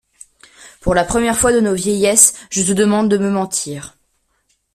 Pour la première fois de nos vieillesses, je te demande de me mentir.